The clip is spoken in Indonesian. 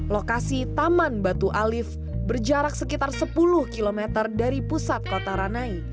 lokasi taman batu alif berjarak sekitar sepuluh km dari pusat kota ranai